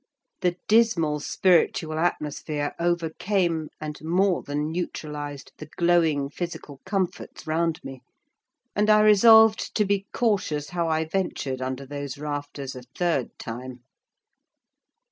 The dismal spiritual atmosphere overcame, and more than neutralised, the glowing physical comforts round me; and I resolved to be cautious how I ventured under those rafters a third time.